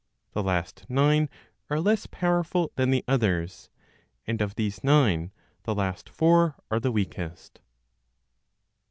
The last nine are less powerful than the others; and of these nine, the last four are the weakest.